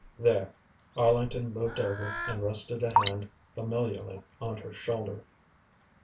"There!" Arlington moved over and rested a hand familiarly on her shoulder.